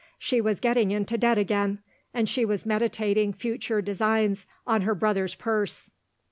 She was getting into debt again; and she was meditating future designs on her brother's purse.